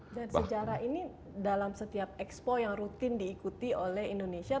dan sejarah ini dalam setiap ekspo yang rutin diikuti oleh indonesia